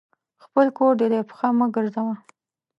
خپل کور دي دی ، پښه مه ګرځوه !